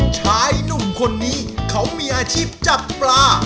ชายหนุ่มคนนี้เขามีอาชีพจับปลา